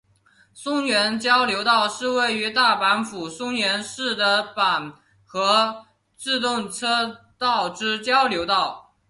松原交流道是位于大阪府松原市的阪和自动车道之交流道。